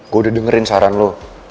gue udah dengerin saran lo